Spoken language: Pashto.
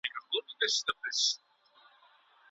ځيني شرطونه په طلاق ورکوونکي پوري اړه لري.